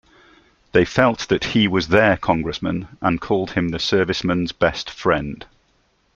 They felt that he was their congressman and called him the Serviceman's Best Friend.